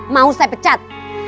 mau saya pecat